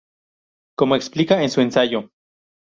Como explica en su ensayo.